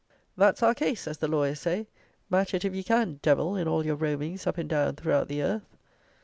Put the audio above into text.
"That's our case," as the lawyers say: match it if you can, devil, in all your roamings up and down throughout the earth!